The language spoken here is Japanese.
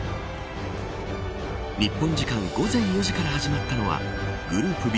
日本時間午前４時から始まったのはグループＢ